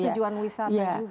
bisa jadi tujuan wisata juga